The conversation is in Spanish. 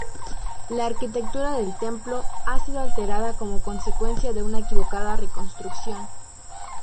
La arquitectura del templo ha sido alterada como consecuencia de una equivocada reconstrucción.